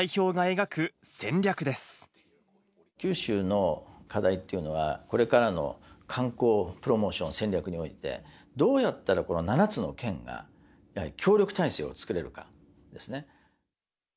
九州の課題っていうのは、これからの観光プロモーション戦略において、どうやったら、この７つの県が協力体制を作れるかですね。